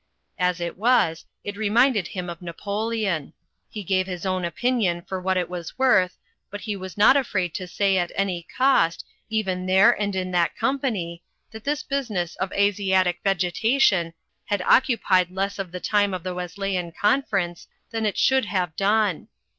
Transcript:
As it was, it re minded him of Napoleon. He gave his own opinion for what it was worth, but he was not afraid to say at any cost, even there and in that company, that this business of Asiatic vegetation had occupied less of the time of the Wesleyan Conference than it should have done.